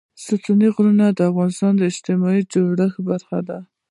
ستوني غرونه د افغانستان د اجتماعي جوړښت برخه ده.